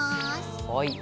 はい。